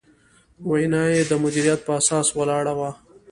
وینا یې د مدیریت په اساس ولاړه وه.